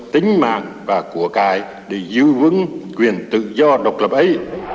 tính mạng và của cái để giữ vững quyền tự do độc lập ấy